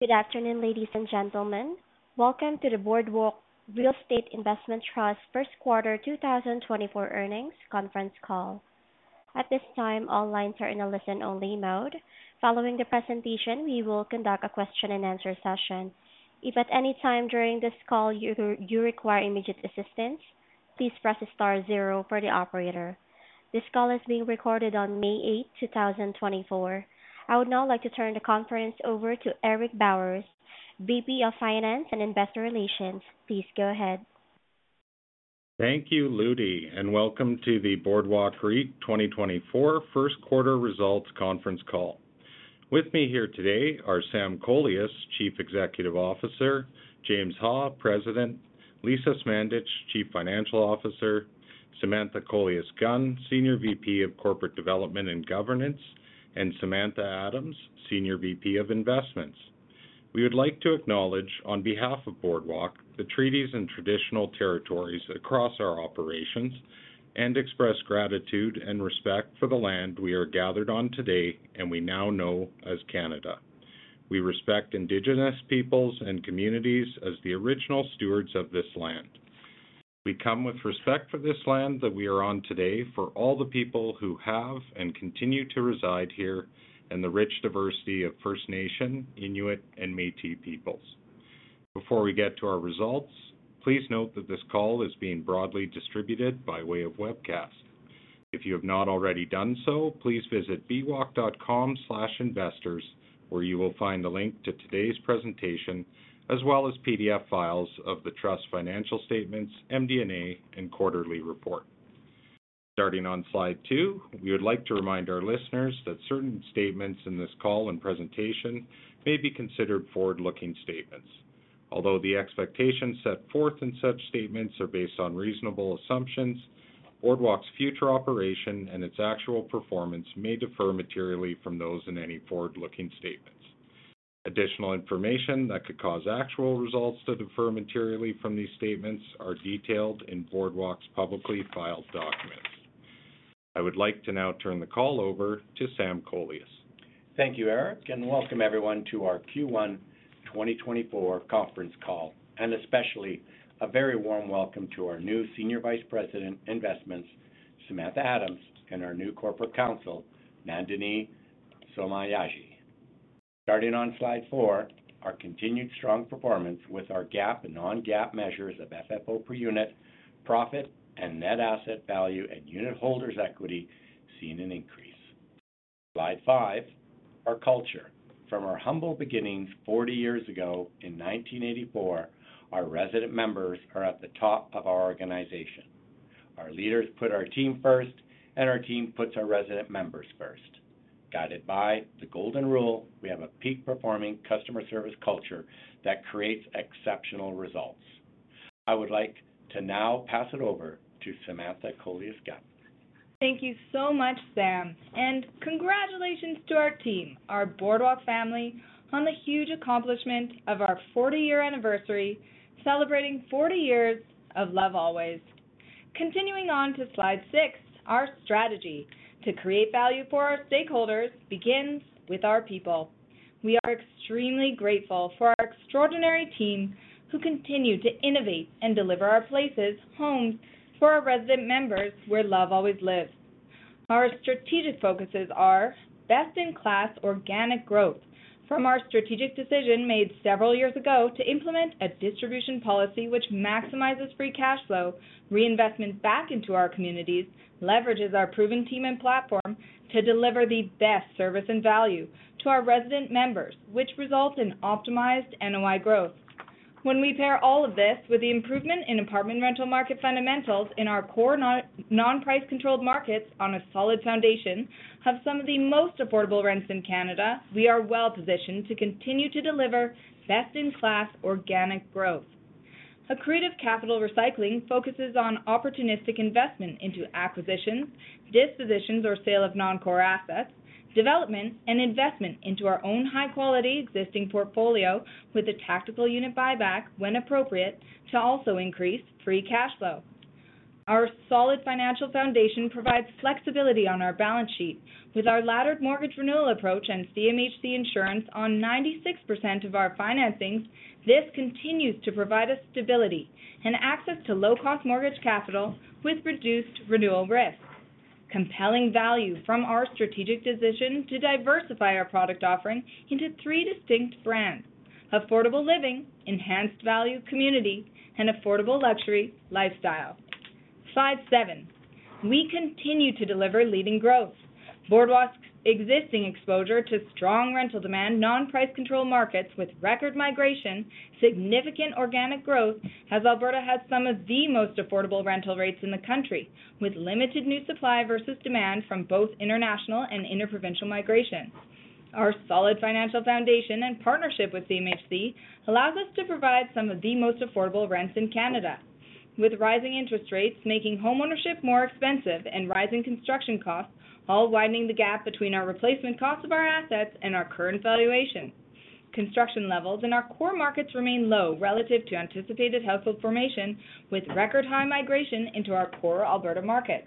Good afternoon, ladies and gentlemen. Welcome to the Boardwalk Real Estate Investment Trust first quarter 2024 earnings conference call. At this time, all lines are in a listen-only mode. Following the presentation, we will conduct a question-and-answer session. If at any time during this call you require immediate assistance, please press star zero for the operator. This call is being recorded on May 8, 2024. I would now like to turn the conference over to Eric Bowers, VP of Finance and Investor Relations. Please go ahead. Thank you, Ludy, and welcome to the Boardwalk REIT 2024 first quarter results conference call. With me here today are Sam Kolias, Chief Executive Officer; James Ha, President; Lisa Smandych, Chief Financial Officer; Samantha Kolias-Gunn, Senior VP of Corporate Development and Governance; and Samantha Adams, Senior VP of Investments. We would like to acknowledge, on behalf of Boardwalk, the treaties and traditional territories across our operations and express gratitude and respect for the land we are gathered on today and we now know as Canada. We respect indigenous peoples and communities as the original stewards of this land. We come with respect for this land that we are on today, for all the people who have and continue to reside here, and the rich diversity of First Nation, Inuit, and Métis peoples. Before we get to our results, please note that this call is being broadly distributed by way of webcast. If you have not already done so, please visit bwalk.com/investors, where you will find a link to today's presentation, as well as PDF files of the Trust's financial statements, MD&A, and quarterly report. Starting on slide two, we would like to remind our listeners that certain statements in this call and presentation may be considered forward-looking statements. Although the expectations set forth in such statements are based on reasonable assumptions, Boardwalk's future operations and its actual performance may differ materially from those in any forward-looking statements. Additional information that could cause actual results to differ materially from these statements are detailed in Boardwalk's publicly filed documents. I would like to now turn the call over to Sam Kolias. Thank you, Eric, and welcome everyone to our Q1 2024 conference call, and especially a very warm welcome to our new Senior Vice President, Investments, Samantha Adams, and our new Corporate Counsel, Nandini Somayaji. Starting on slide four, our continued strong performance with our GAAP and non-GAAP measures of FFO per unit, profit and net asset value and unitholders equity seen an increase. Slide five, Our Culture. From our humble beginnings 40 years ago in 1984, our resident members are at the top of our organization. Our leaders put our team first, and our team puts our resident members first. Guided by the Golden Rule, we have a peak-performing customer service culture that creates exceptional results. I would like to now pass it over to Samantha Kolias-Gunn. Thank you so much, Sam, and congratulations to our team, our Boardwalk family, on the huge accomplishment of our 40-year anniversary, celebrating 40 years of love always. Continuing on to slide six, Our Strategy. To create value for our stakeholders begins with our people. We are extremely grateful for our extraordinary team, who continue to innovate and deliver our places, homes for our resident members, where love always lives. Our strategic focuses are best-in-class organic growth from our strategic decision made several years ago to implement a distribution policy which maximizes free cash flow, reinvestments back into our communities, leverages our proven team and platform to deliver the best service and value to our resident members, which results in optimized NOI growth. When we pair all of this with the improvement in apartment rental market fundamentals in our core non-price-controlled markets on a solid foundation, have some of the most affordable rents in Canada, we are well-positioned to continue to deliver best-in-class organic growth. Accretive capital recycling focuses on opportunistic investment into acquisitions, dispositions or sale of non-core assets, development and investment into our own high-quality existing portfolio, with a tactical unit buyback when appropriate, to also increase free cash flow. Our solid financial foundation provides flexibility on our balance sheet. With our laddered mortgage renewal approach and CMHC insurance on 96% of our financings, this continues to provide us stability and access to low-cost mortgage capital with reduced renewal risks. Compelling value from our strategic decision to diversify our product offering into three distinct brands: Affordable Living, Enhanced Value Community, and Affordable Luxury Lifestyle. Slide seven. We continue to deliver leading growth. Boardwalk's existing exposure to strong rental demand, non-price-controlled markets with record migration, significant organic growth, as Alberta has some of the most affordable rental rates in the country, with limited new supply versus demand from both international and inter-provincial migration. Our solid financial foundation and partnership with CMHC allows us to provide some of the most affordable rents in Canada, with rising interest rates making homeownership more expensive and rising construction costs, all widening the gap between our replacement costs of our assets and our current valuation. Construction levels in our core markets remain low relative to anticipated household formation, with record high migration into our core Alberta market.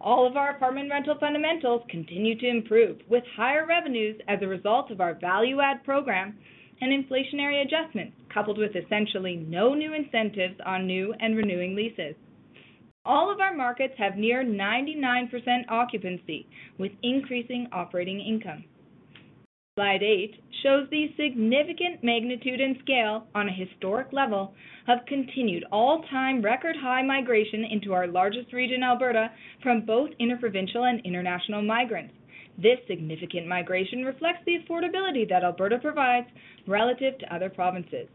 All of our apartment rental fundamentals continue to improve, with higher revenues as a result of our value add program and inflationary adjustments, coupled with essentially no new incentives on new and renewing leases. All of our markets have near 99% occupancy, with increasing operating income. Slide 8 shows the significant magnitude and scale on a historic level, of continued all-time record high migration into our largest region, Alberta, from both interprovincial and international migrants. This significant migration reflects the affordability that Alberta provides relative to other provinces.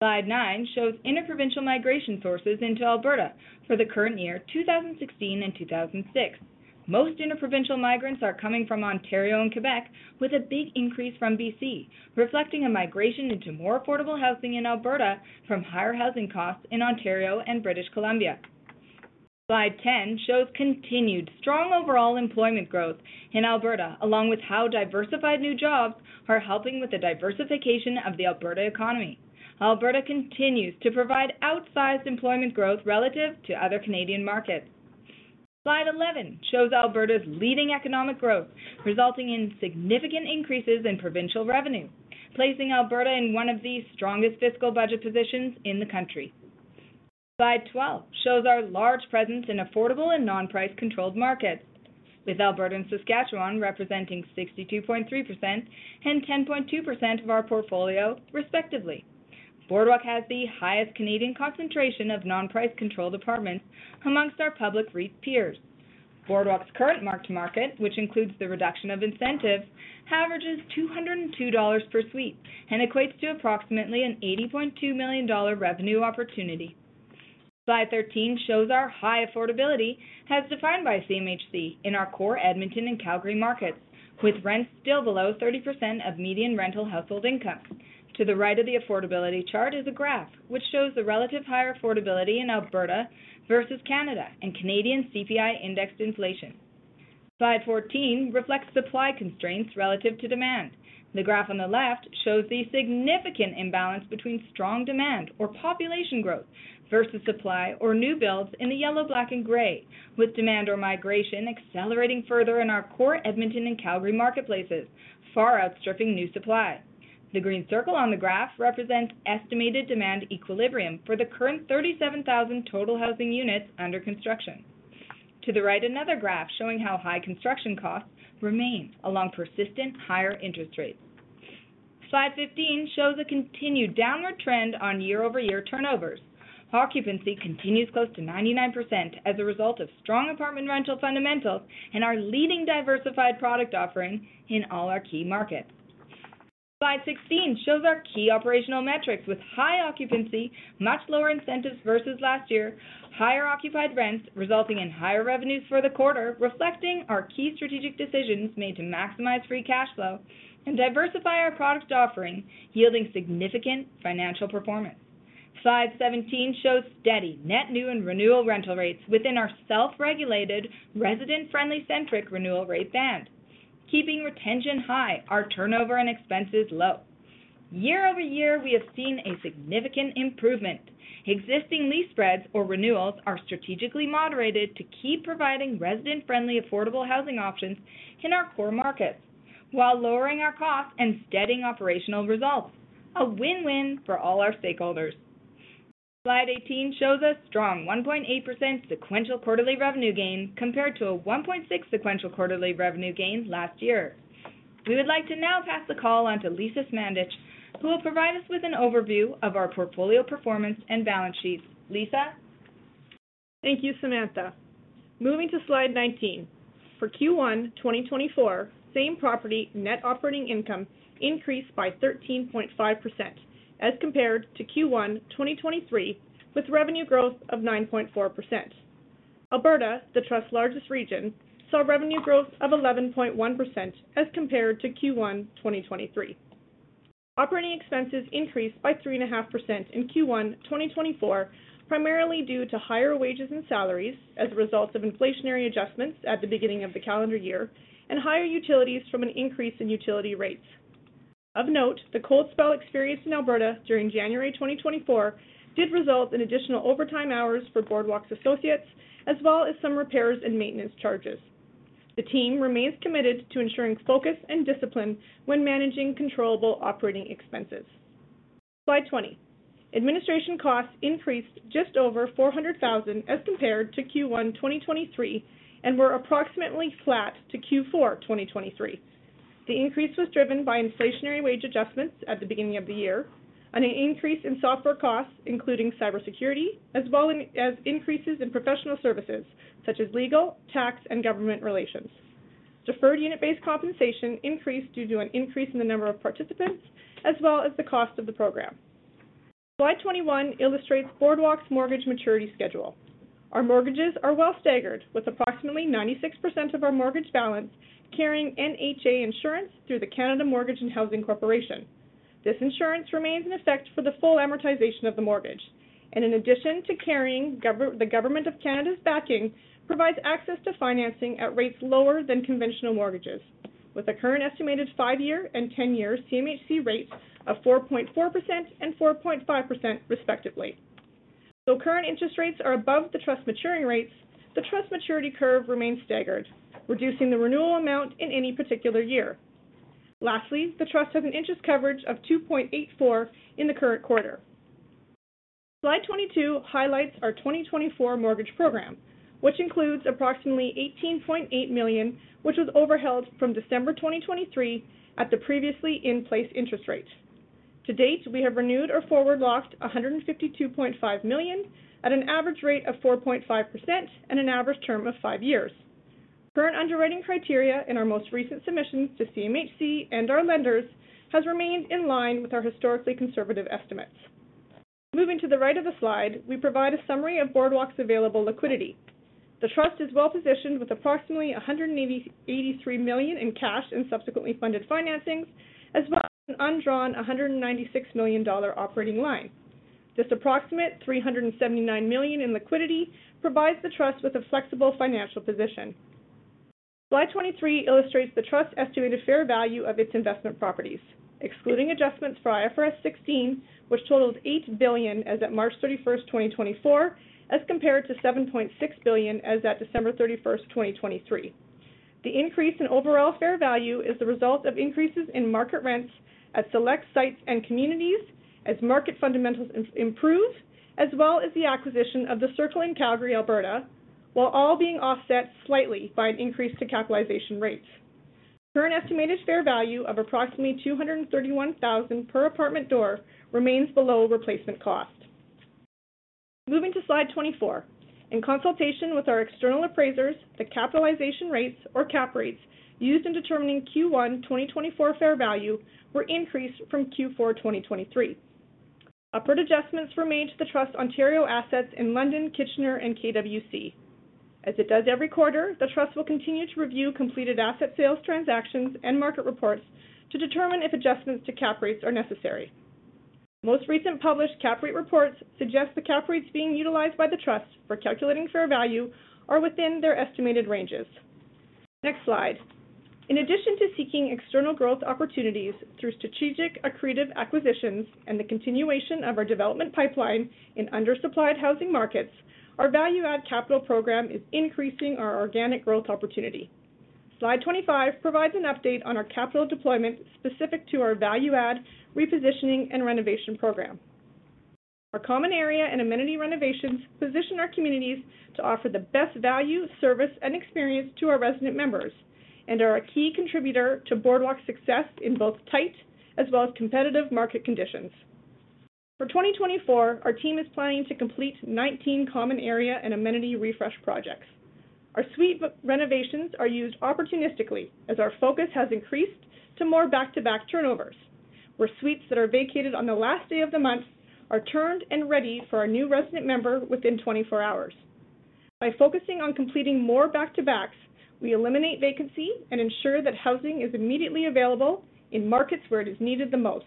Slide nine shows interprovincial migration sources into Alberta for the current year, 2016 and 2006. Most interprovincial migrants are coming from Ontario and Quebec, with a big increase from BC, reflecting a migration into more affordable housing in Alberta from higher housing costs in Ontario and British Columbia. Slide 10 shows continued strong overall employment growth in Alberta, along with how diversified new jobs are helping with the diversification of the Alberta economy. Alberta continues to provide outsized employment growth relative to other Canadian markets. Slide 11 shows Alberta's leading economic growth, resulting in significant increases in provincial revenue, placing Alberta in one of the strongest fiscal budget positions in the country. Slide 12 shows our large presence in affordable and non-price-controlled markets, with Alberta and Saskatchewan representing 62.3% and 10.2% of our portfolio, respectively. Boardwalk has the highest Canadian concentration of non-price-controlled apartments amongst our public REIT peers. Boardwalk's current mark-to-market, which includes the reduction of incentives, averages 202 dollars per suite and equates to approximately 80.2 million dollar revenue opportunity. Slide 13 shows our high affordability, as defined by CMHC, in our core Edmonton and Calgary markets, with rents still below 30% of median rental household income. To the right of the affordability chart is a graph which shows the relative higher affordability in Alberta versus Canada and Canadian CPI indexed inflation. Slide 14 reflects supply constraints relative to demand. The graph on the left shows the significant imbalance between strong demand or population growth versus supply or new builds in the yellow, black, and gray, with demand or migration accelerating further in our core Edmonton and Calgary marketplaces, far outstripping new supply. The green circle on the graph represents estimated demand equilibrium for the current 37,000 total housing units under construction. To the right, another graph showing how high construction costs remain, along persistent higher interest rates. Slide 15 shows a continued downward trend on year-over-year turnovers. Occupancy continues close to 99% as a result of strong apartment rental fundamentals and our leading diversified product offering in all our key markets. Slide 16 shows our key operational metrics with high occupancy, much lower incentives versus last year, higher occupied rents, resulting in higher revenues for the quarter, reflecting our key strategic decisions made to maximize free cash flow and diversify our product offering, yielding significant financial performance. Slide 17 shows steady net new and renewal rental rates within our self-regulated, resident-friendly centric renewal rate band. Keeping retention high, our turnover and expenses low. Year-over-year, we have seen a significant improvement. Existing lease spreads or renewals are strategically moderated to keep providing resident-friendly, affordable housing options in our core markets, while lowering our costs and steadying operational results. A win-win for all our stakeholders. Slide 18 shows a strong 1.8% sequential quarterly revenue gain, compared to a 1.6 sequential quarterly revenue gain last year. We would like to now pass the call on to Lisa Smandych, who will provide us with an overview of our portfolio performance and balance sheets. Lisa? Thank you, Samantha. Moving to Slide 19. For Q1 2024, same property net operating income increased by 13.5% as compared to Q1 2023, with revenue growth of 9.4%. Alberta, the trust's largest region, saw revenue growth of 11.1% as compared to Q1 2023. Operating expenses increased by 3.5% in Q1 2024, primarily due to higher wages and salaries as a result of inflationary adjustments at the beginning of the calendar year, and higher utilities from an increase in utility rates. Of note, the cold spell experienced in Alberta during January 2024 did result in additional overtime hours for Boardwalk's associates, as well as some repairs and maintenance charges. The team remains committed to ensuring focus and discipline when managing controllable operating expenses. Slide 20. Administration costs increased just over 400,000 as compared to Q1 2023, and were approximately flat to Q4 2023. The increase was driven by inflationary wage adjustments at the beginning of the year, and an increase in software costs, including cybersecurity, as well as increases in professional services such as legal, tax, and government relations. Deferred unit-based compensation increased due to an increase in the number of participants, as well as the cost of the program. Slide 21 illustrates Boardwalk's mortgage maturity schedule. Our mortgages are well staggered, with approximately 96% of our mortgage balance carrying NHA insurance through the Canada Mortgage and Housing Corporation. This insurance remains in effect for the full amortization of the mortgage, and in addition to carrying the government of Canada's backing, provides access to financing at rates lower than conventional mortgages. with a current estimated 5-year and 10-year CMHC rate of 4.4% and 4.5%, respectively. Though current interest rates are above the trust maturing rates, the trust maturity curve remains staggered, reducing the renewal amount in any particular year. Lastly, the trust has an interest coverage of 2.84 in the current quarter. Slide 22 highlights our 2024 mortgage program, which includes approximately 18.8 million, which was overheld from December 2023 at the previously in-place interest rate. To date, we have renewed or forward-locked 152.5 million at an average rate of 4.5% and an average term of 5 years. Current underwriting criteria in our most recent submissions to CMHC and our lenders has remained in line with our historically conservative estimates. Moving to the right of the slide, we provide a summary of Boardwalk's available liquidity. The trust is well-positioned with approximately 183 million in cash and subsequently funded financings, as well as an undrawn 196 million dollar operating line. This approximate 379 million in liquidity provides the trust with a flexible financial position. Slide 23 illustrates the trust's estimated fair value of its investment properties, excluding adjustments for IFRS 16, which totals 8 billion as at March 31st, 2024, as compared to 7.6 billion as at December 31st, 2023. The increase in overall fair value is the result of increases in market rents at select sites and communities as market fundamentals improve, as well as the acquisition of The Circle in Calgary, Alberta, while all being offset slightly by an increase to capitalization rates. Current estimated fair value of approximately 231,000 per apartment door remains below replacement cost. Moving to slide 24. In consultation with our external appraisers, the capitalization rates, or cap rates, used in determining Q1 2024 fair value were increased from Q4 2023. Upward adjustments were made to the Trust's Ontario assets in London, Kitchener, and KWC. As it does every quarter, the Trust will continue to review completed asset sales transactions and market reports to determine if adjustments to cap rates are necessary. Most recent published cap rate reports suggest the cap rates being utilized by the Trust for calculating fair value are within their estimated ranges. Next slide. In addition to seeking external growth opportunities through strategic accretive acquisitions and the continuation of our development pipeline in undersupplied housing markets, our value add capital program is increasing our organic growth opportunity. Slide 25 provides an update on our capital deployment specific to our value add, repositioning, and renovation program. Our common area and amenity renovations position our communities to offer the best value, service, and experience to our resident members and are a key contributor to Boardwalk's success in both tight as well as competitive market conditions. For 2024, our team is planning to complete 19 common area and amenity refresh projects. Our suite re-renovations are used opportunistically as our focus has increased to more back-to-back turnovers, where suites that are vacated on the last day of the month are turned and ready for our new resident member within 24 hours. By focusing on completing more back-to-backs, we eliminate vacancy and ensure that housing is immediately available in markets where it is needed the most.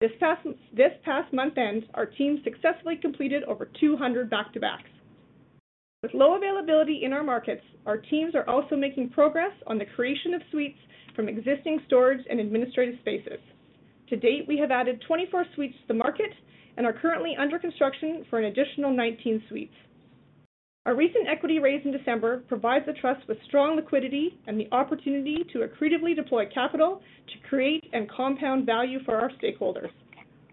This past month end, our team successfully completed over 200 back-to-backs. With low availability in our markets, our teams are also making progress on the creation of suites from existing storage and administrative spaces. To date, we have added 24 suites to the market and are currently under construction for an additional 19 suites. Our recent equity raise in December provides the trust with strong liquidity and the opportunity to accretively deploy capital to create and compound value for our stakeholders.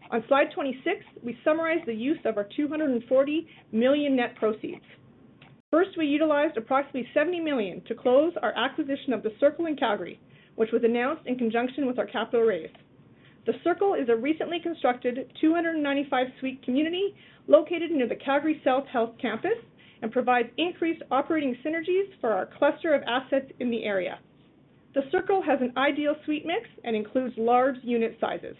On slide 26, we summarize the use of our 240 million net proceeds. First, we utilized approximately 70 million to close our acquisition of The Circle in Calgary, which was announced in conjunction with our capital raise. The Circle is a recently constructed 295-suite community located near the Calgary South Health Campus and provides increased operating synergies for our cluster of assets in the area. The Circle has an ideal suite mix and includes large unit sizes.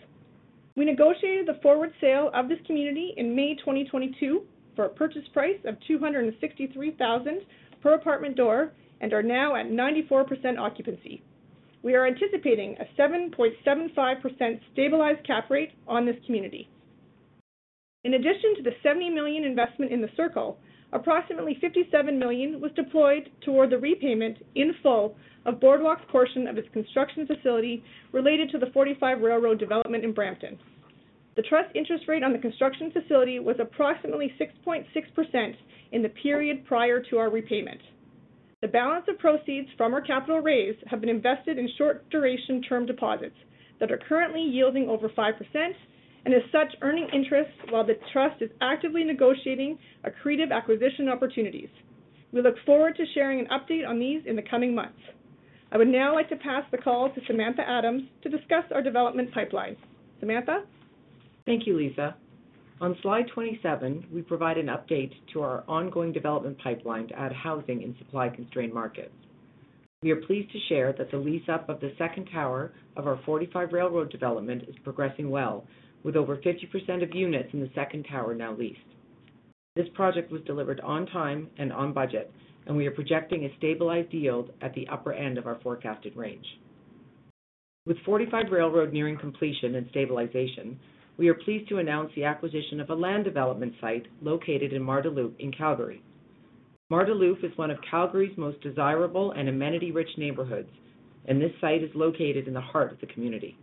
We negotiated the forward sale of this community in May 2022 for a purchase price of 263,000 per apartment door and are now at 94% occupancy. We are anticipating a 7.75% stabilized cap rate on this community. In addition to the 70 million investment in The Circle, approximately 57 million was deployed toward the repayment, in full, of Boardwalk's portion of its construction facility related to the 45 Railroad development in Brampton. The Trust interest rate on the construction facility was approximately 6.6% in the period prior to our repayment. The balance of proceeds from our capital raise have been invested in short duration term deposits that are currently yielding over 5%, and as such, earning interest while the trust is actively negotiating accretive acquisition opportunities. We look forward to sharing an update on these in the coming months. I would now like to pass the call to Samantha Adams to discuss our development pipeline. Samantha? Thank you, Lisa. On slide 27, we provide an update to our ongoing development pipeline to add housing in supply-constrained markets. We are pleased to share that the lease-up of the second tower of our 45 Railroad development is progressing well, with over 50% of units in the second tower now leased. This project was delivered on time and on budget, and we are projecting a stabilized yield at the upper end of our forecasted range. With 45 Railroad nearing completion and stabilization, we are pleased to announce the acquisition of a land development site located in Marda Loop in Calgary. Marda Loop is one of Calgary's most desirable and amenity-rich neighborhoods, and this site is located in the heart of the community.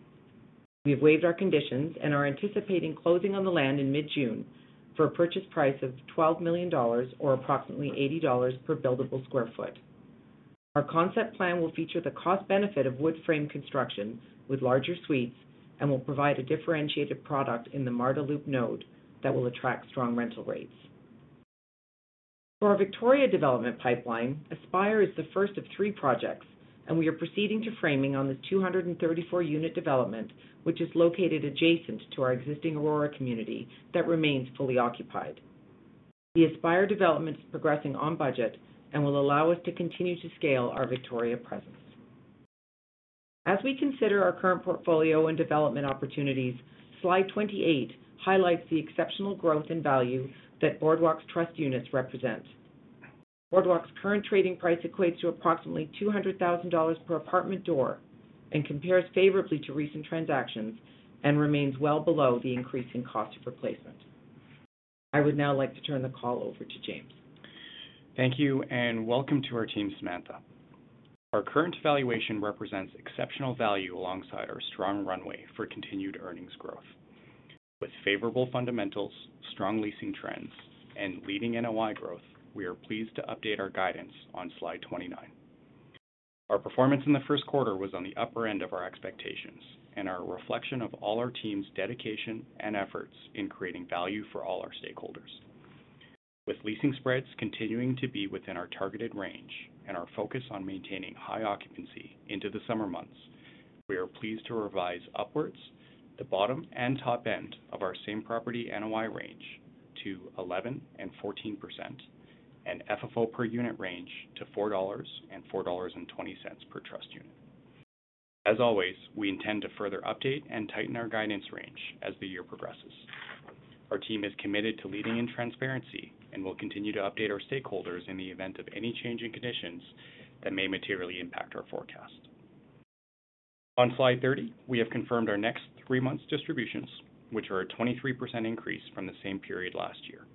We have waived our conditions and are anticipating closing on the land in mid-June for a purchase price of 12 million dollars or approximately 80 dollars per buildable sq ft. Our concept plan will feature the cost benefit of wood frame construction with larger suites and will provide a differentiated product in the Marda Loop node that will attract strong rental rates. For our Victoria development pipeline, Aspire is the first of three projects, and we are proceeding to framing on this 234-unit development, which is located adjacent to our existing Aurora community that remains fully occupied. The Aspire development is progressing on budget and will allow us to continue to scale our Victoria presence. As we consider our current portfolio and development opportunities, slide 28 highlights the exceptional growth in value that Boardwalk's trust units represent. Boardwalk's current trading price equates to approximately 200,000 dollars per apartment door and compares favorably to recent transactions and remains well below the increasing cost of replacement. I would now like to turn the call over to James. Thank you, and welcome to our team, Samantha. Our current valuation represents exceptional value alongside our strong runway for continued earnings growth. With favorable fundamentals, strong leasing trends, and leading NOI growth, we are pleased to update our guidance on slide 29. Our performance in the first quarter was on the upper end of our expectations and are a reflection of all our team's dedication and efforts in creating value for all our stakeholders. With leasing spreads continuing to be within our targeted range and our focus on maintaining high occupancy into the summer months, we are pleased to revise upwards the bottom and top end of our same property NOI range to 11%-14%, and FFO per unit range to 4.00-4.20 dollars per trust unit. As always, we intend to further update and tighten our guidance range as the year progresses. Our team is committed to leading in transparency and will continue to update our stakeholders in the event of any change in conditions that may materially impact our forecast. On slide 30, we have confirmed our next three months distributions, which are a 23% increase from the same period last year.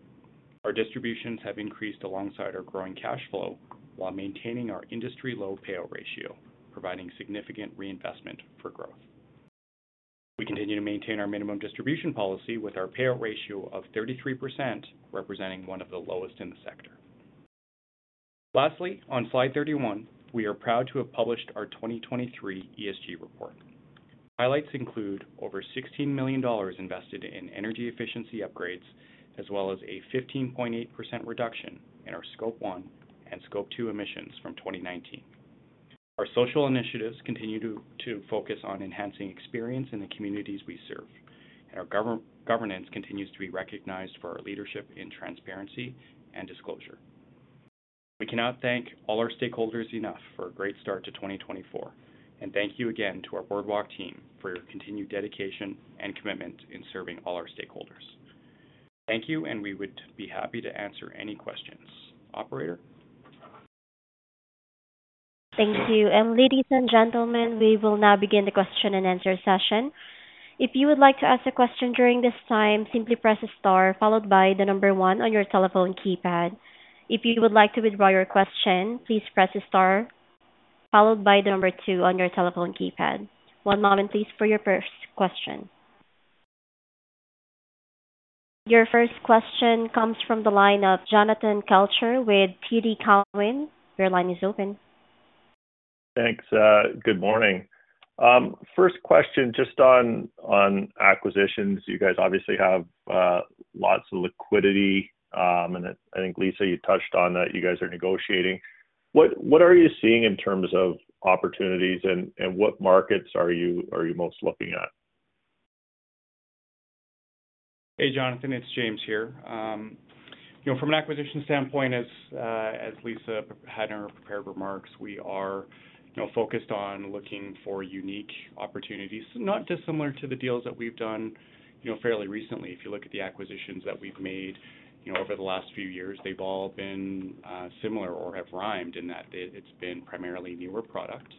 Our distributions have increased alongside our growing cash flow while maintaining our industry-low payout ratio, providing significant reinvestment for growth. We continue to maintain our minimum distribution policy, with our payout ratio of 33%, representing one of the lowest in the sector. Lastly, on slide 31, we are proud to have published our 2023 ESG report. Highlights include over 16 million dollars invested in energy efficiency upgrades, as well as a 15.8% reduction in our Scope 1 and Scope 2 emissions from 2019. Our social initiatives continue to focus on enhancing experience in the communities we serve, and our governance continues to be recognized for our leadership in transparency and disclosure. We cannot thank all our stakeholders enough for a great start to 2024, and thank you again to our Boardwalk team for your continued dedication and commitment in serving all our stakeholders. Thank you, and we would be happy to answer any questions. Operator? Thank you. Ladies and gentlemen, we will now begin the question-and-answer session. If you would like to ask a question during this time, simply press star, followed by the number one on your telephone keypad. If you would like to withdraw your question, please press star, followed by the number two on your telephone keypad. One moment, please, for your first question. Your first question comes from the line of Jonathan Kelcher with TD Cowen. Your line is open. Thanks, good morning. First question, just on acquisitions. You guys obviously have lots of liquidity, and I think, Lisa, you touched on that you guys are negotiating. What are you seeing in terms of opportunities and what markets are you most looking at? Hey, Jonathan, it's James here. You know, from an acquisition standpoint, as Lisa had in her prepared remarks, we are, you know, focused on looking for unique opportunities, not dissimilar to the deals that we've done, you know, fairly recently. If you look at the acquisitions that we've made, you know, over the last few years, they've all been, similar or have rhymed in that it, it's been primarily newer product,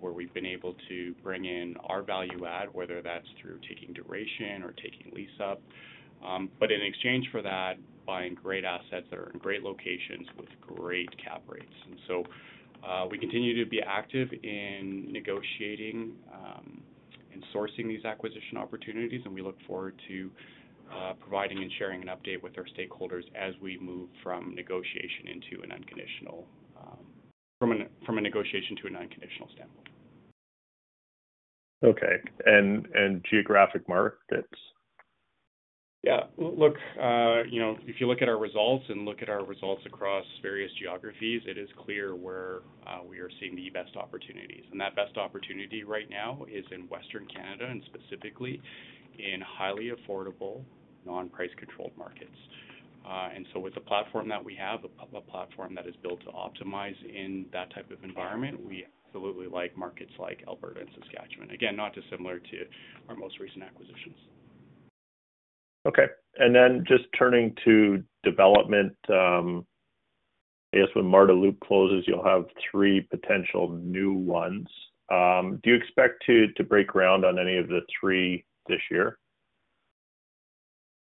where we've been able to bring in our value add, whether that's through taking duration or taking lease up. But in exchange for that, buying great assets that are in great locations with great cap rates. And so, we continue to be active in negotiating and sourcing these acquisition opportunities, and we look forward to providing and sharing an update with our stakeholders as we move from negotiation to an unconditional standpoint. Okay, and geographic markets? Yeah. Look, you know, if you look at our results and look at our results across various geographies, it is clear where we are seeing the best opportunities. That best opportunity right now is in Western Canada, and specifically in highly affordable, non-price-controlled markets. And so with the platform that we have, a platform that is built to optimize in that type of environment, we absolutely like markets like Alberta and Saskatchewan. Again, not dissimilar to our most recent acquisitions. Okay. And then just turning to development, I guess when Marda Loop closes, you'll have three potential new ones. Do you expect to break ground on any of the three this year?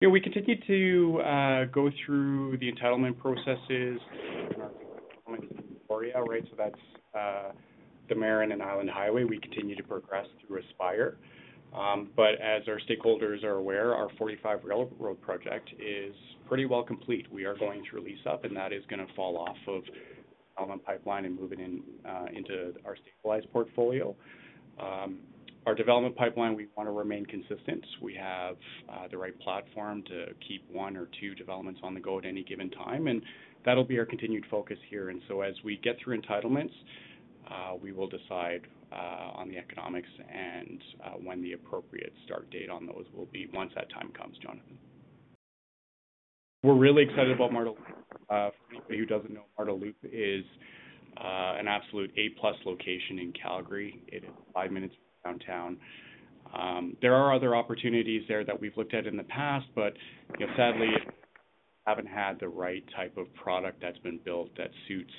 Yeah, we continue to go through the entitlement processes in our area, right? So that's the Marin and Island Highway. We continue to progress through Aspire. But as our stakeholders are aware, our 45 Railroad project is pretty well complete. We are going to lease up, and that is gonna fall off of development pipeline and move it in into our stabilized portfolio. Our development pipeline, we wanna remain consistent. We have the right platform to keep one or two developments on the go at any given time, and that'll be our continued focus here. And so as we get through entitlements, we will decide on the economics and when the appropriate start date on those will be once that time comes, Jonathan. We're really excited about Marda Loop. For anybody who doesn't know, Marda Loop is an absolute A-plus location in Calgary. It is five minutes from downtown. There are other opportunities there that we've looked at in the past, but, you know, sadly, haven't had the right type of product that's been built that suits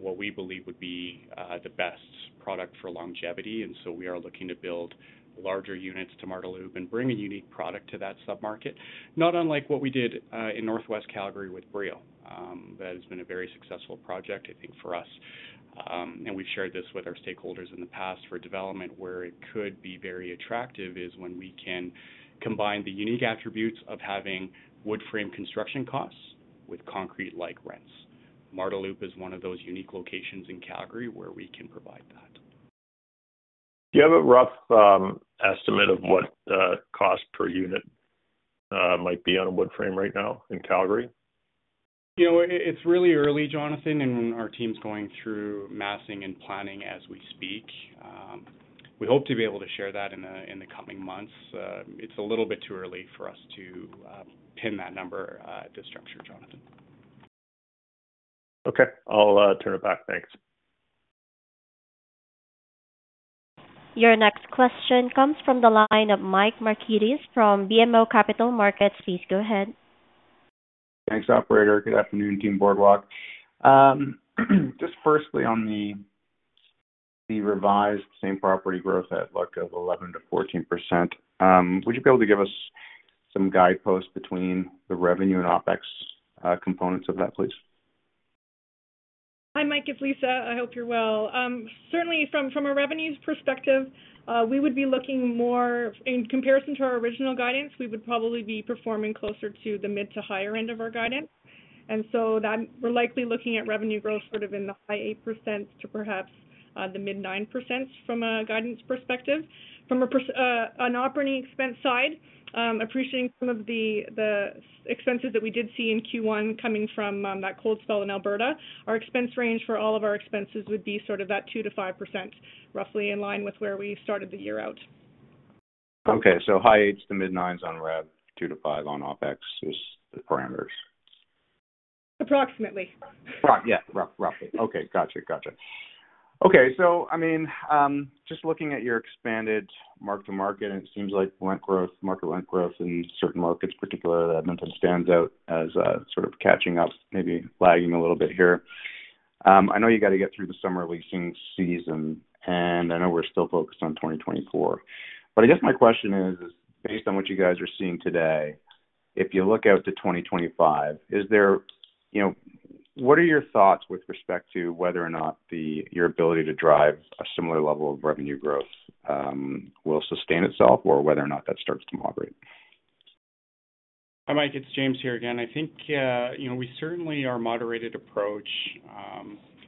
what we believe would be the best product for longevity. And so we are looking to build larger units to Marda Loop and bring a unique product to that submarket, not unlike what we did in Northwest Calgary with Brio. That has been a very successful project, I think, for us. We've shared this with our stakeholders in the past. For development, where it could be very attractive is when we can combine the unique attributes of having wood-frame construction costs with concrete-like rents. Marda Loop is one of those unique locations in Calgary where we can provide that. Do you have a rough estimate of what cost per unit might be on a wood frame right now in Calgary? You know, it's really early, Jonathan, and our team's going through massing and planning as we speak. We hope to be able to share that in the coming months. It's a little bit too early for us to pin that number at this juncture, Jonathan. Okay. I'll turn it back. Thanks. Your next question comes from the line of Mike Markidis from BMO Capital Markets. Please go ahead. Thanks, operator. Good afternoon, team Boardwalk. Just firstly, on the revised same-property growth outlook of 11%-14%, would you be able to give us some guideposts between the revenue and OpEx components of that, please? Hi, Mike, it's Lisa. I hope you're well. Certainly from a revenues perspective, we would be looking more in comparison to our original guidance, we would probably be performing closer to the mid to higher end of our guidance. And so that we're likely looking at revenue growth sort of in the high 8% to perhaps the mid 9% from a guidance perspective. From an operating expense side, appreciating some of the expenses that we did see in Q1 coming from that cold spell in Alberta, our expense range for all of our expenses would be sort of that 2%-5%, roughly in line with where we started the year out. Okay. So high 8s to mid 9s on rev, 2-5 on OpEx is the parameters. Approximately. Okay. Gotcha. Gotcha. Okay, so I mean, just looking at your expanded mark-to-market, and it seems like rent growth, market rent growth in certain markets, particularly Edmonton, stands out as sort of catching up, maybe lagging a little bit here. I know you got to get through the summer leasing season, and I know we're still focused on 2024. But I guess my question is, based on what you guys are seeing today, if you look out to 2025, is there... You know, what are your thoughts with respect to whether or not the, your ability to drive a similar level of revenue growth, will sustain itself or whether or not that starts to moderate? Hi, Mike, it's James here again. I think, you know, we certainly our moderated approach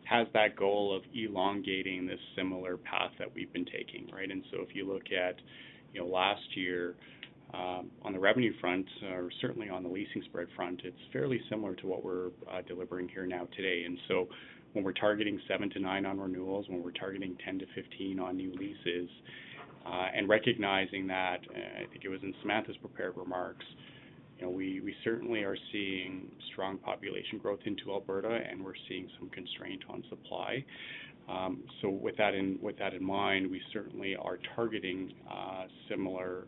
has that goal of elongating this similar path that we've been taking, right? And so if you look at, you know, last year, on the revenue front, or certainly on the leasing spread front, it's fairly similar to what we're delivering here now today. And so when we're targeting 7-9 on renewals, when we're targeting 10-15 on new leases, and recognizing that, I think it was in Samantha's prepared remarks, you know, we, we certainly are seeing strong population growth into Alberta, and we're seeing some constraint on supply. So with that in, with that in mind, we certainly are targeting similar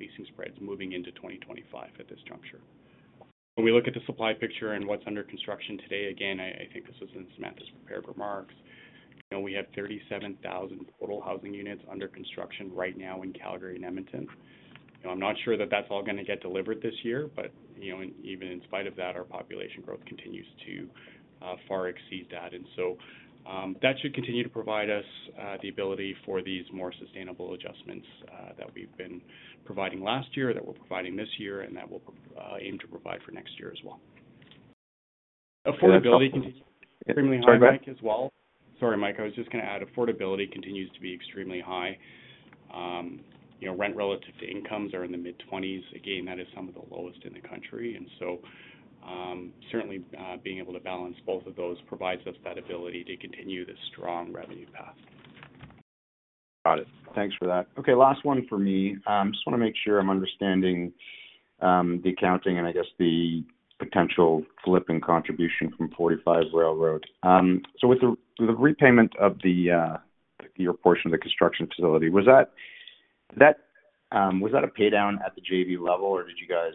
leasing spreads moving into 2025 at this juncture. When we look at the supply picture and what's under construction today, again, I think this was in Samantha's prepared remarks. You know, we have 37,000 total housing units under construction right now in Calgary and Edmonton. You know, I'm not sure that that's all gonna get delivered this year, but, you know, even in spite of that, our population growth continues to far exceed that. And so, that should continue to provide us the ability for these more sustainable adjustments that we've been providing last year, that we're providing this year, and that we'll aim to provide for next year as well. Affordability continues extremely high, Mike, as well- Sorry, go ahead. Sorry, Mike. I was just gonna add affordability continues to be extremely high. You know, rent relative to incomes are in the mid-20s%. Again, that is some of the lowest in the country. And so, certainly, being able to balance both of those provides us that ability to continue this strong revenue path. Got it. Thanks for that. Okay, last one for me. Just wanna make sure I'm understanding, the accounting and I guess the potential flip in contribution from 45 Railroad. So with the, with the repayment of the, your portion of the construction facility. Was that, that, was that a pay down at the JV level, or did you guys,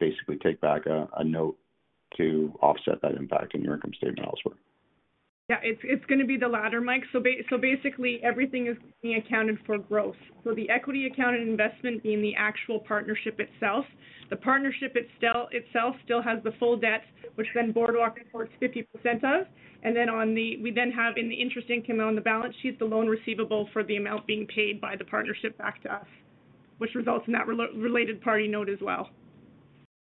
basically take back a, a note to offset that impact in your income statement elsewhere? Yeah. It's gonna be the latter, Mike. So basically, everything is being accounted for growth. So the equity accounted investment being the actual partnership itself. The partnership itself still has the full debt, which then Boardwalk reports 50% of, and then on the we then have in the interest income on the balance sheet, the loan receivable for the amount being paid by the partnership back to us, which results in that related party note as well.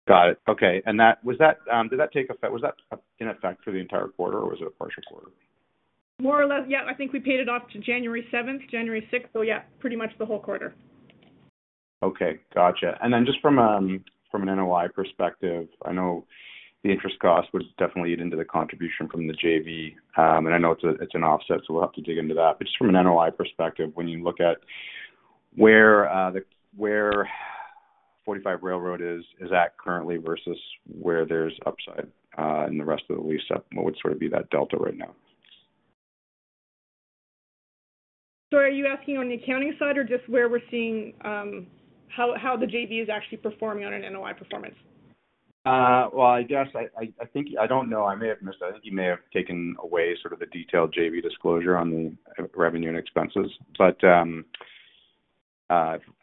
Got it. Okay. And that... Was that, did that take effect, was that in effect for the entire quarter, or was it a partial quarter? More or less, yeah, I think we paid it off to January seventh, January sixth. So yeah, pretty much the whole quarter. Okay. Gotcha. And then just from an NOI perspective, I know the interest cost was definitely into the contribution from the JV, and I know it's an offset, so we'll have to dig into that. But just from an NOI perspective, when you look at where the 45 Railroad is at currently versus where there's upside, and the rest of the lease up, what would sort of be that delta right now? So are you asking on the accounting side or just where we're seeing how the JV is actually performing on an NOI performance? Well, I guess I think... I don't know. I may have missed that. I think you may have taken away sort of the detailed JV disclosure on the revenue and expenses, but,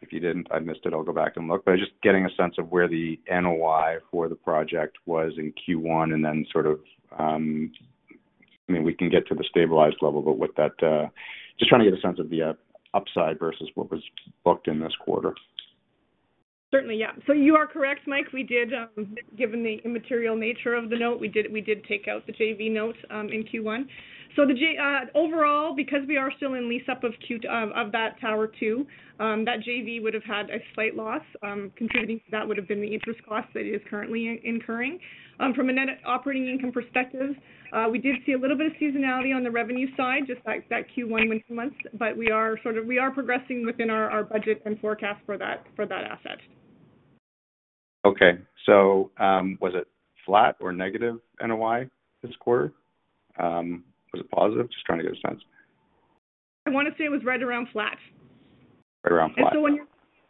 if you didn't, I missed it. I'll go back and look. But just getting a sense of where the NOI for the project was in Q1, and then sort of, I mean, we can get to the stabilized level, but with that, just trying to get a sense of the upside versus what was booked in this quarter. Certainly, yeah. So you are correct, Mike. We did, given the immaterial nature of the note, we did take out the JV note in Q1. So the JV overall, because we are still in lease up of that tower two, that JV would have had a slight loss contributing. That would have been the interest cost that it is currently incurring. From a net operating income perspective, we did see a little bit of seasonality on the revenue side, just like that Q1 winter months, but we are sort of progressing within our budget and forecast for that asset. Okay. So, was it flat or negative NOI this quarter? Was it positive? Just trying to get a sense. I want to say it was right around flat. Right around flat.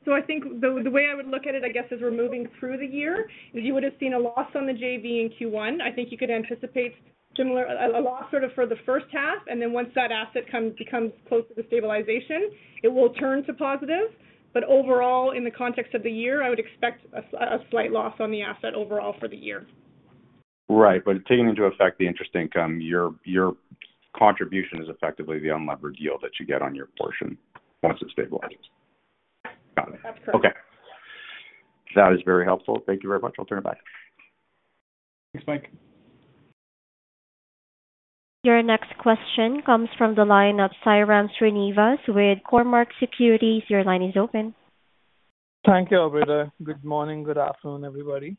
So I think the way I would look at it, I guess, as we're moving through the year, is you would have seen a loss on the JV in Q1. I think you could anticipate similar, a loss sort of for the first half, and then once that asset becomes closer to stabilization, it will turn to positive. But overall, in the context of the year, I would expect a slight loss on the asset overall for the year. Right. But taking into effect the interest income, your, your contribution is effectively the unlevered yield that you get on your portion once it stabilizes. Yeah. Got it. Absolutely. Okay. That is very helpful. Thank you very much. I'll turn it back. Thanks, Mike. Your next question comes from the line of Sairam Srinivas with Cormark Securities. Your line is open. Thank you, operator. Good morning. Good afternoon, everybody.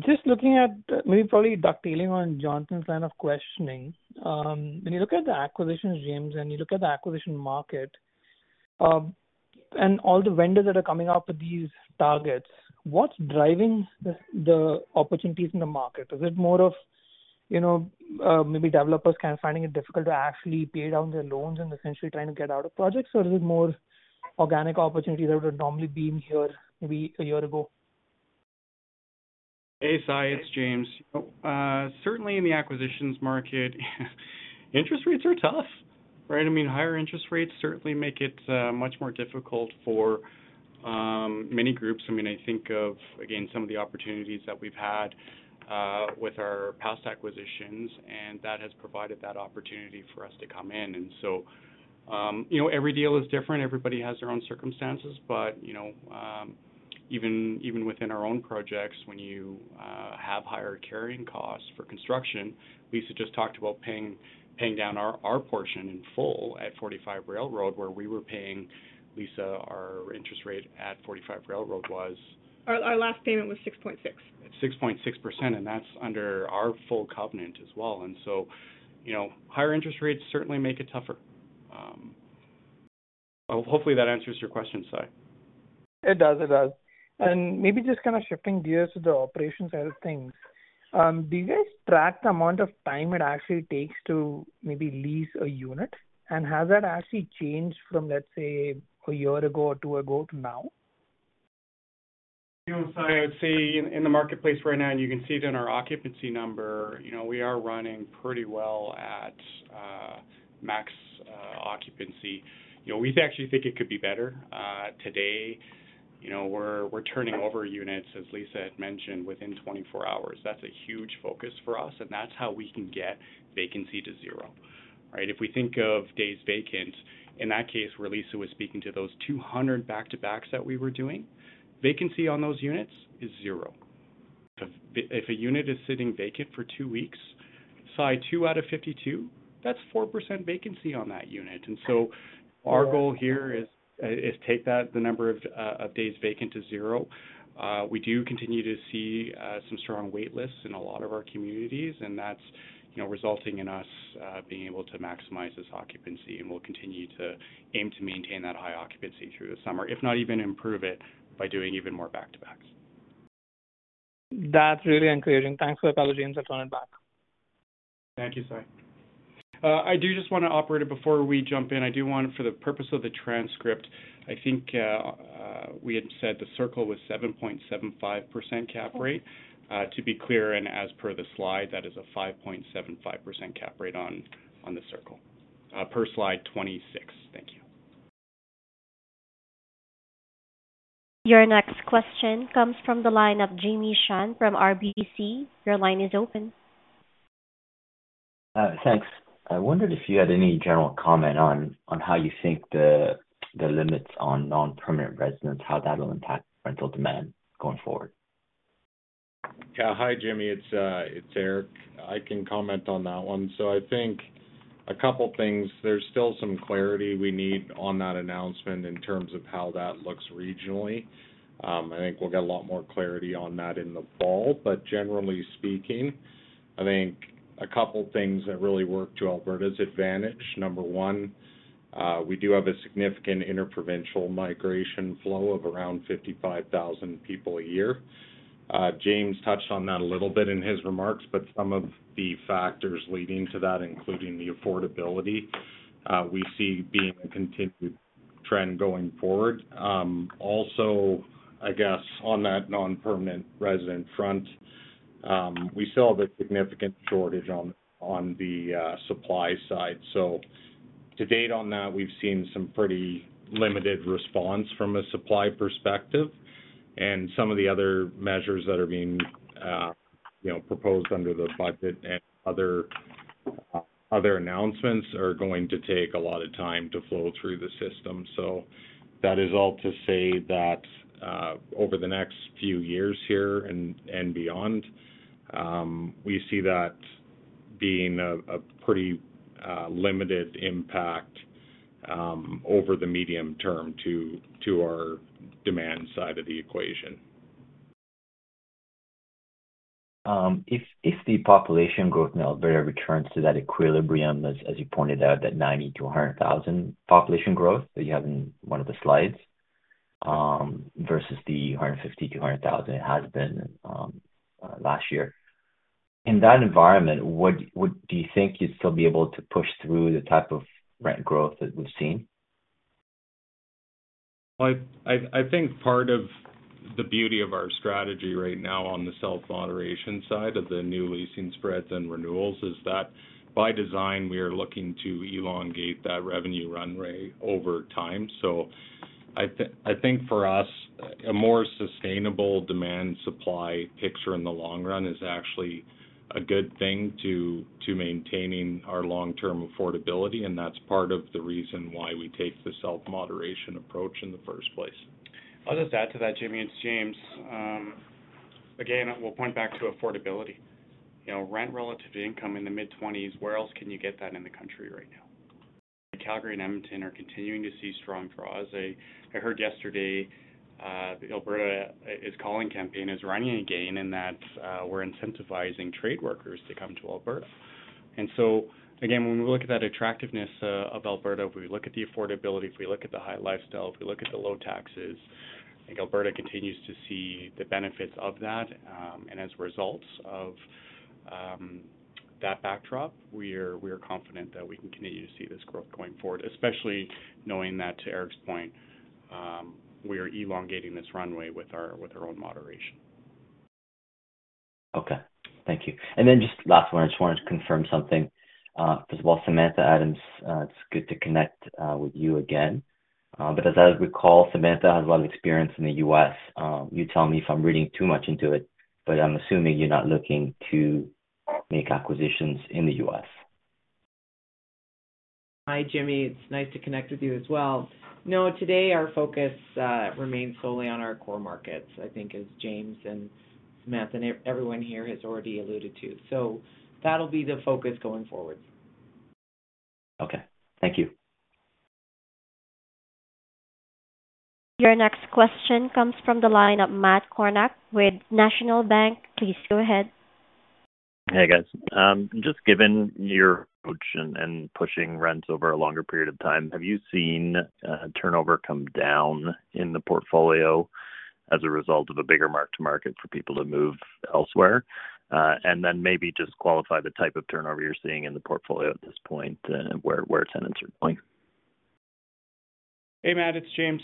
Just looking at, maybe probably ducktailing on Jonathan's line of questioning, when you look at the acquisitions, James, and you look at the acquisition market, and all the vendors that are coming up with these targets, what's driving the, the opportunities in the market? Is it more of, you know, maybe developers kind of finding it difficult to actually pay down their loans and essentially trying to get out of projects, or is it more organic opportunities that would have normally been here maybe a year ago? Hey, Sai, it's James. Certainly in the acquisitions market, interest rates are tough, right? I mean, higher interest rates certainly make it much more difficult for many groups. I mean, I think of, again, some of the opportunities that we've had with our past acquisitions, and that has provided that opportunity for us to come in. And so, you know, every deal is different. Everybody has their own circumstances, but, you know, even, even within our own projects, when you have higher carrying costs for construction, Lisa just talked about paying, paying down our, our portion in full at 45 Railroad, where we were paying Lisa, our interest rate at 45 Railroad was? Our last payment was 6.6. 6.6%, and that's under our full covenant as well. And so, you know, higher interest rates certainly make it tougher. Well, hopefully that answers your question, Sai. It does, it does. And maybe just kind of shifting gears to the operations side of things, do you guys track the amount of time it actually takes to maybe lease a unit? And has that actually changed from, let's say, a year ago or two ago to now? You know, Sai, I would say in the marketplace right now, and you can see it in our occupancy number, you know, we are running pretty well at max occupancy. You know, we actually think it could be better. Today, you know, we're turning over units, as Lisa had mentioned, within 24 hours. That's a huge focus for us, and that's how we can get vacancy to zero, right? If we think of days vacant, in that case, where Lisa was speaking to those 200 back-to-backs that we were doing, vacancy on those units is zero. If a unit is sitting vacant for two weeks, Sai, 2 out of 52, that's 4% vacancy on that unit. Right. And so our goal here is to take the number of days vacant to zero. We do continue to see some strong wait lists in a lot of our communities, and that's, you know, resulting in us being able to maximize this occupancy, and we'll continue to aim to maintain that high occupancy through the summer, if not even improve it by doing even more back-to-backs. That's really encouraging. Thanks for that, James. I'll turn it back. Thank you, Sai. I do just want to opine on it before we jump in. I do want, for the purpose of the transcript, I think, we had said The Circle was 7.75% Cap Rate. To be clear, and as per the slide, that is a 5.75% Cap Rate on, on The Circle, per slide 26. Thank you. Your next question comes from the line of Jimmy Shan from RBC. Your line is open. Thanks. I wondered if you had any general comment on how you think the limits on non-permanent residents will impact rental demand going forward. Yeah. Hi, Jimmy, it's Eric. I can comment on that one. So I think a couple of things. There's still some clarity we need on that announcement in terms of how that looks regionally. I think we'll get a lot more clarity on that in the fall, but generally speaking, I think a couple of things that really work to Alberta's advantage. Number one, we do have a significant interprovincial migration flow of around 55,000 people a year. James touched on that a little bit in his remarks, but some of the factors leading to that, including the affordability, we see being a continued trend going forward. Also, I guess, on that non-permanent resident front, we still have a significant shortage on the supply side. So to date on that, we've seen some pretty limited response from a supply perspective, and some of the other measures that are being, you know, proposed under the budget and other announcements are going to take a lot of time to flow through the system. So that is all to say that, over the next few years here and beyond, we see that being a pretty limited impact, over the medium term to our demand side of the equation. If the population growth in Alberta returns to that equilibrium, as you pointed out, that 90-100 thousand population growth that you have in one of the slides, versus the 150-200 thousand it has been last year. In that environment, would you think you'd still be able to push through the type of rent growth that we've seen? I think part of the beauty of our strategy right now on the self-moderation side of the new leasing spreads and renewals, is that by design, we are looking to elongate that revenue run rate over time. So I think for us, a more sustainable demand supply picture in the long run is actually a good thing to maintaining our long-term affordability, and that's part of the reason why we take the self-moderation approach in the first place. I'll just add to that, Jimmy, it's James. Again, we'll point back to affordability. You know, rent relative to income in the mid-20s, where else can you get that in the country right now? Calgary and Edmonton are continuing to see strong draws. I heard yesterday the Alberta is calling campaign is running again, and that's we're incentivizing trade workers to come to Alberta. And so again, when we look at that attractiveness of Alberta, if we look at the affordability, if we look at the high lifestyle, if we look at the low taxes, I think Alberta continues to see the benefits of that. As a result of that backdrop, we are confident that we can continue to see this growth going forward, especially knowing that, to Eric's point, we are elongating this runway with our own moderation. Okay. Thank you. And then just last one, I just wanted to confirm something. First of all, Samantha Adams, it's good to connect with you again. But as I recall, Samantha has a lot of experience in the U.S. You tell me if I'm reading too much into it, but I'm assuming you're not looking to make acquisitions in the U.S. Hi, Jimmy. It's nice to connect with you as well. No, today, our focus remains solely on our core markets, I think, as James and Samantha and everyone here has already alluded to. So that'll be the focus going forward. Okay. Thank you. Your next question comes from the line of Matt Kornack with National Bank. Please go ahead. Hey, guys. Just given your approach and pushing rents over a longer period of time, have you seen turnover come down in the portfolio as a result of a bigger mark to market for people to move elsewhere? And then maybe just qualify the type of turnover you're seeing in the portfolio at this point, where it's at a certain point. Hey, Matt, it's James.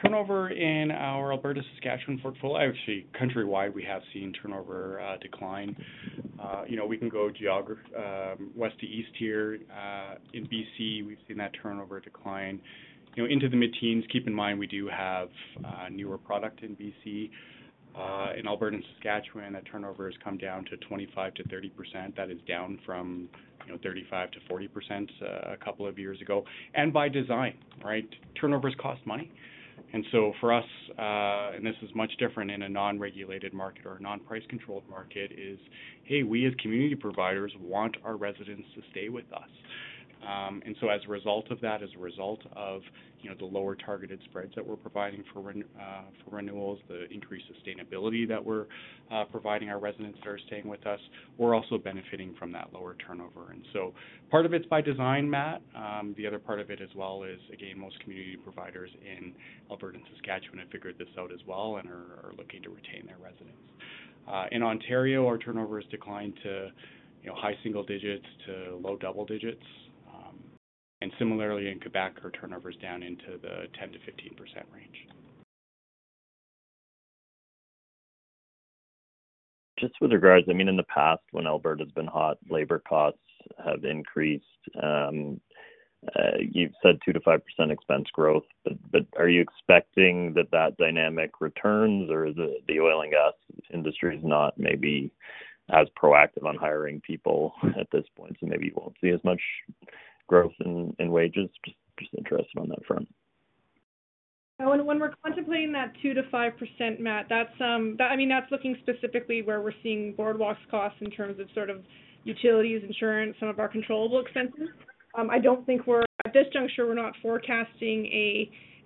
Turnover in our Alberta, Saskatchewan portfolio, actually, countrywide, we have seen turnover decline. You know, we can go west to east here. In BC, we've seen that turnover decline, you know, into the mid-teens. Keep in mind, we do have newer product in BC. In Alberta and Saskatchewan, that turnover has come down to 25%-30%. That is down from, you know, 35%-40% a couple of years ago, and by design, right? Turnovers cost money. And so for us, and this is much different in a non-regulated market or a non-price-controlled market, is, hey, we, as community providers, want our residents to stay with us. And so as a result of that, as a result of, you know, the lower targeted spreads that we're providing for renewals, the increased sustainability that we're providing our residents that are staying with us, we're also benefiting from that lower turnover. And so part of it's by design, Matt. The other part of it as well is, again, most community providers in Alberta and Saskatchewan have figured this out as well and are looking to retain their residents. In Ontario, our turnover has declined to, you know, high single digits to low double digits. And similarly, in Quebec, our turnover is down into the 10%-15% range. Just with regards, I mean, in the past, when Alberta has been hot, labor costs have increased. You've said 2%-5% expense growth, but are you expecting that dynamic returns or the oil and gas industry is not maybe as proactive on hiring people at this point, so maybe you won't see as much growth in wages? Just interested on that front. Oh, when we're contemplating that 2%-5%, Matt, that's—I mean, that's looking specifically where we're seeing Boardwalk's costs in terms of sort of utilities, insurance, some of our controllable expenses. I don't think we're—at this juncture, we're not forecasting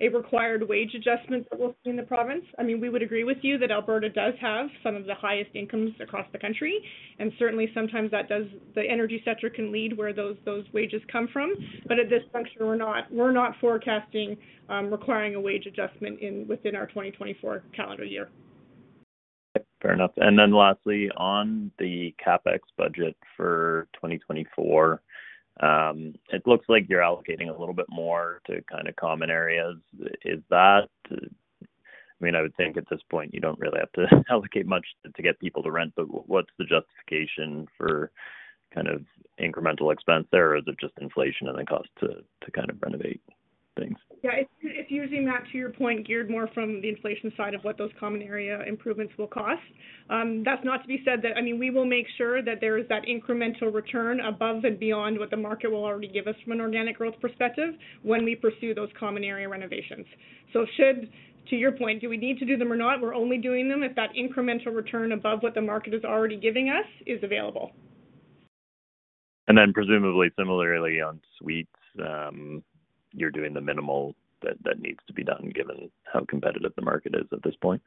a required wage adjustment that we'll see in the province. I mean, we would agree with you that Alberta does have some of the highest incomes across the country, and certainly sometimes that does the energy sector can lead where those wages come from. But at this juncture, we're not forecasting requiring a wage adjustment within our 2024 calendar year. Fair enough. And then lastly, on the CapEx budget for 2024, it looks like you're allocating a little bit more to kind of common areas. Is that... I mean, I would think at this point, you don't really have to allocate much to get people to rent, but what's the justification for kind of incremental expense there, or is it just inflation and the cost to, to kind of renovate things? Yeah, it's usually, Matt, to your point, geared more from the inflation side of what those common area improvements will cost. That's not to be said that, I mean, we will make sure that there is that incremental return above and beyond what the market will already give us from an organic growth perspective when we pursue those common area renovations. So, to your point, should we need to do them or not? We're only doing them if that incremental return above what the market is already giving us is available. Then presumably, similarly on suites, you're doing the minimal that needs to be done, given how competitive the market is at this point.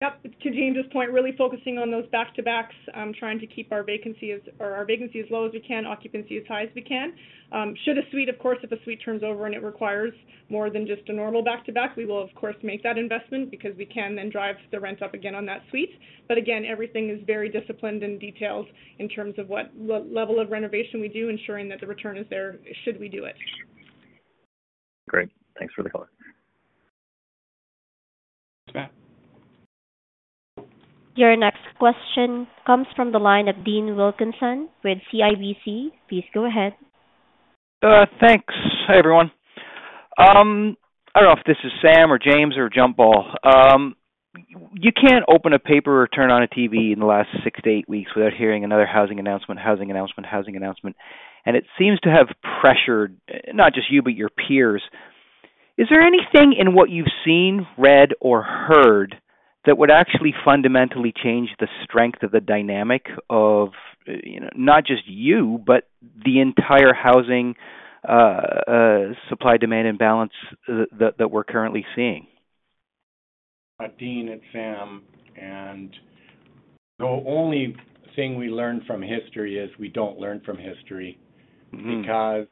Yep. To James' point, really focusing on those back-to-backs, trying to keep our vacancy as low as we can, occupancy as high as we can. Should a suite, of course, if a suite turns over and it requires more than just a normal back-to-back, we will, of course, make that investment because we can then drive the rent up again on that suite. But again, everything is very disciplined and detailed in terms of what level of renovation we do, ensuring that the return is there, should we do it? Great. Thanks for the call. Thanks, Matt. Your next question comes from the line of Dean Wilkinson with CIBC. Please go ahead. Thanks. Hi, everyone. I don't know if this is Sam or James or the panel. You can't open a paper or turn on a TV in the last 6-8 weeks without hearing another housing announcement, housing announcement, housing announcement. It seems to have pressured not just you, but your peers. Is there anything in what you've seen, read, or heard that would actually fundamentally change the strength of the dynamic of, you know, not just you, but the entire housing supply, demand, and balance that we're currently seeing? Dean, it's Sam, and the only thing we learn from history is we don't learn from history. Mm-hmm. Because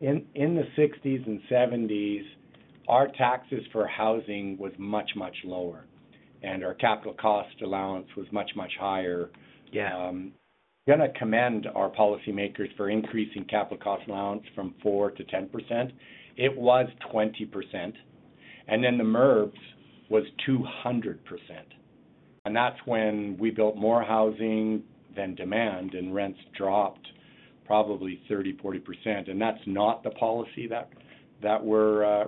in the 1960s and 1970s, our taxes for housing was much, much lower, and our capital cost allowance was much, much higher. Yeah. I'm gonna commend our policymakers for increasing capital cost allowance from 4% to 10%. It was 20%, and then the MURBs was 200%, and that's when we built more housing than demand, and rents dropped probably 30%-40%. And that's not the policy that we're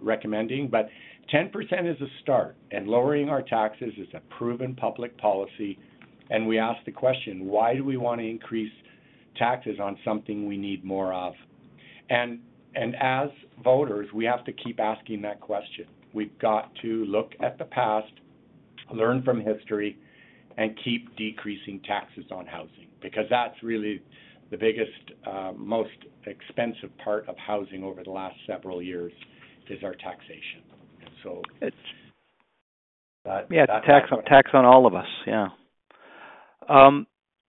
recommending, but 10% is a start, and lowering our taxes is a proven public policy. And we ask the question: Why do we want to increase taxes on something we need more of? And as voters, we have to keep asking that question. We've got to look at the past, learn from history, and keep decreasing taxes on housing, because that's really the biggest most expensive part of housing over the last several years, is our taxation. And so it's- Yeah, tax on, tax on all of us. Yeah.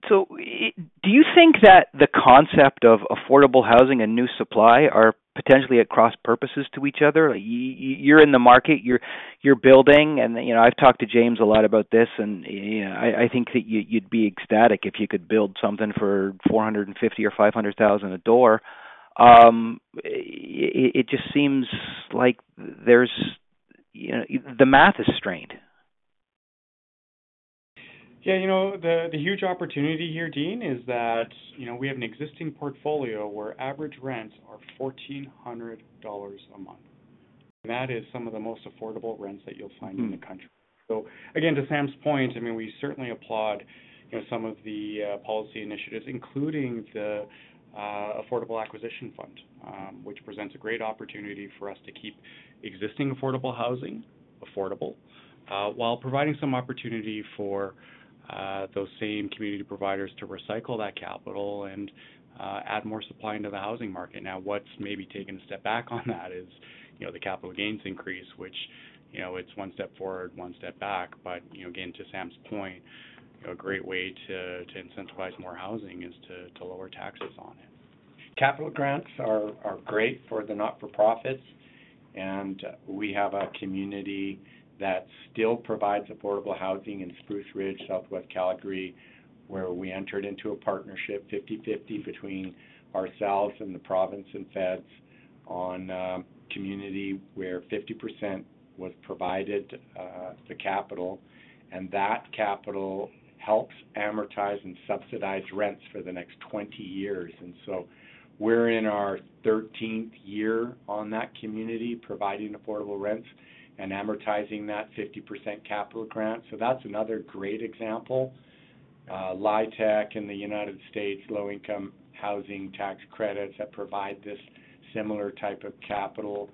So do you think that the concept of affordable housing and new supply are potentially at cross purposes to each other? You're in the market, you're building, and, you know, I've talked to James a lot about this, and, you know, I think that you'd be ecstatic if you could build something for 450,000 or 500,000 a door. It just seems like there's, you know, the math is strained. Yeah, you know, the huge opportunity here, Dean, is that, you know, we have an existing portfolio where average rents are 1,400 dollars a month. That is some of the most affordable rents that you'll find in the country. Mm. So again, to Sam's point, I mean, we certainly applaud, you know, some of the policy initiatives, including the Affordable Acquisition Fund, which presents a great opportunity for us to keep existing affordable housing affordable, while providing some opportunity for those same community providers to recycle that capital and add more supply into the housing market. Now, what's maybe taken a step back on that is, you know, the capital gains increase, which, you know, it's one step forward, one step back. But, you know, again, to Sam's point, a great way to incentivize more housing is to lower taxes on it. Capital grants are great for the not-for-profits, and we have a community that still provides affordable housing in Spruce Ridge, Southwest Calgary, where we entered into a partnership, 50/50, between ourselves and the province and feds on community, where 50% was provided the capital, and that capital helps amortize and subsidize rents for the next 20 years. And so we're in our thirteenth year on that community, providing affordable rents and amortizing that 50% capital grant. So that's another great example. LIHTC in the United States, Low-Income Housing Tax Credits, that provide this similar type of capital.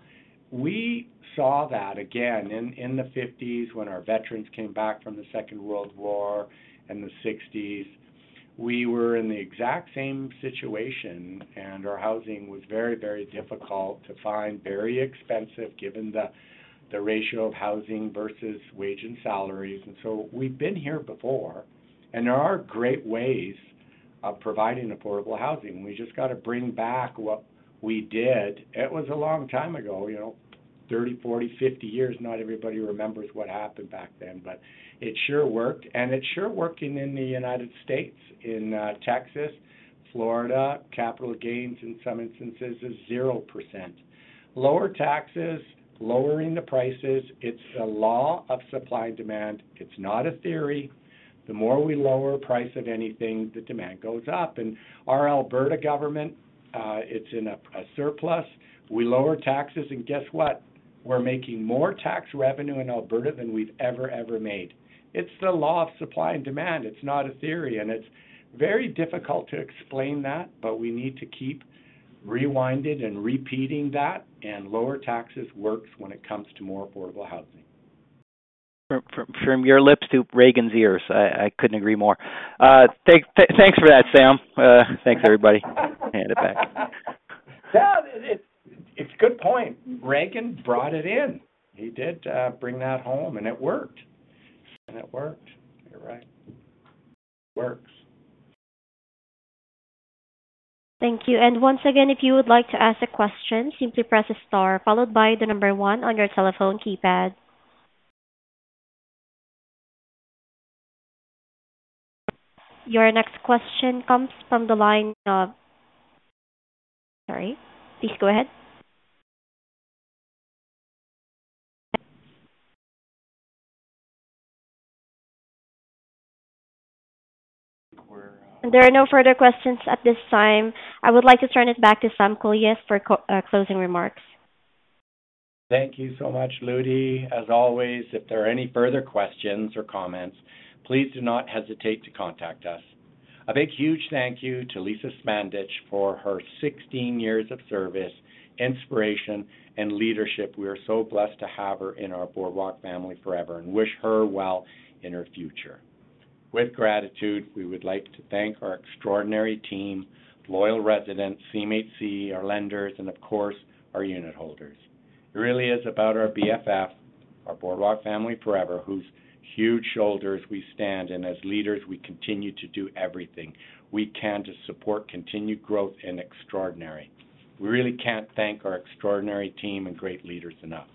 We saw that again in the fifties when our veterans came back from the Second World War, and the sixties. We were in the exact same situation, and our housing was very, very difficult to find, very expensive, given the, the ratio of housing versus wage and salaries. And so we've been here before, and there are great ways of providing affordable housing. We just got to bring back what we did. It was a long time ago, you know, 30, 40, 50 years. Not everybody remembers what happened back then, but it sure worked, and it's sure working in the United States. In Texas, Florida, capital gains, in some instances, is 0%. Lower taxes, lowering the prices, it's the law of supply and demand. It's not a theory. The more we lower price of anything, the demand goes up. And our Alberta government, it's in a, a surplus. We lower taxes, and guess what? We're making more tax revenue in Alberta than we've ever, ever made. It's the law of supply and demand. It's not a theory, and it's very difficult to explain that, but we need to keep rewinding and repeating that, and lower taxes works when it comes to more affordable housing. From your lips to Reagan's ears. I couldn't agree more. Thanks for that, Sam. Thanks, everybody. I hand it back. Yeah, it's a good point. Reagan brought it in. He did bring that home, and it worked. And it worked. You're right. It works. Thank you. And once again, if you would like to ask a question, simply press star, followed by the number one on your telephone keypad. Your next question comes from the line of... Sorry, please go ahead. There are no further questions at this time. I would like to turn it back to Sam Kolias for closing remarks. Thank you so much, Ludy. As always, if there are any further questions or comments, please do not hesitate to contact us. A big huge thank you to Lisa Smandych for her 16 years of service, inspiration, and leadership. We are so blessed to have her in our Boardwalk family forever and wish her well in her future. With gratitude, we would like to thank our extraordinary team, loyal residents, CMHC, our lenders, and of course, our unitholders. It really is about our BFF, our Boardwalk Family Forever, whose huge shoulders we stand, and as leaders, we continue to do everything we can to support continued growth and extraordinary. We really can't thank our extraordinary team and great leaders enough.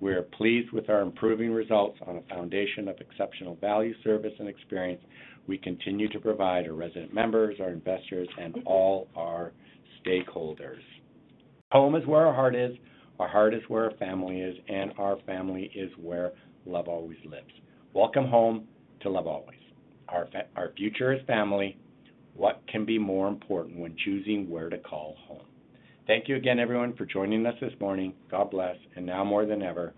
We are pleased with our improving results on a foundation of exceptional value, service, and experience we continue to provide our resident members, our investors, and all our stakeholders. Home is where our heart is, our heart is where our family is, and our family is where love always lives. Welcome home to Love Always. Our future is family. What can be more important when choosing where to call home? Thank you again, everyone, for joining us this morning. God bless, and now more than ever,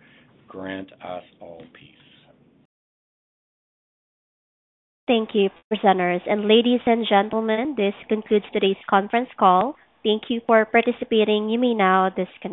grant us all peace. Thank you, presenters. Ladies and gentlemen, this concludes today's conference call. Thank you for participating. You may now disconnect.